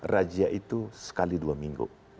razia itu sekali dua minggu